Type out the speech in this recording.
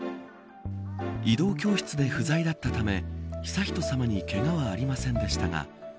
移動教室で不在だったため悠仁さまにけがはありませんでしたが